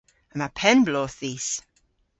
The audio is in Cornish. Yma penn-bloodh dhis.